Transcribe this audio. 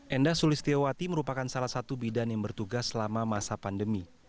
enda sulistiawati merupakan salah satu bidan yang bertugas selama masa pandemi